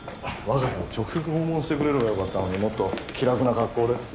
我が家を直接訪問してくれればよかったのにもっと気楽な格好で。